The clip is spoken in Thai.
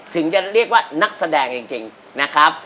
ถึงจะเรียกว่านักแสดงจริงนะครับ